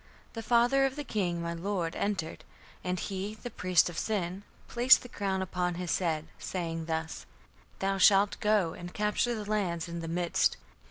The father of the king my lord entered, (and) he (the priest of Sin) placed (the crown?) upon his head, (saying) thus: 'Thou shalt go and capture the lands in the midst'.